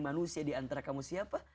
manusia diantara kamu siapa